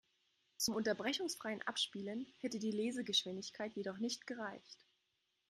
Zum unterbrechungsfreien Abspielen hätte die Lesegeschwindigkeit jedoch nicht gereicht.